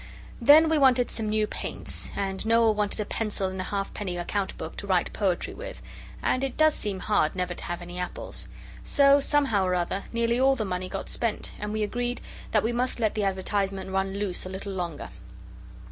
Then we wanted some new paints, and Noel wanted a pencil and a halfpenny account book to write poetry with, and it does seem hard never to have any apples. So, somehow or other nearly all the money got spent, and we agreed that we must let the advertisement run loose a little longer.